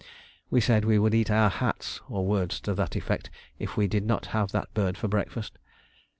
We said we would eat our hats, or words to that effect, if we did not have that bird for breakfast.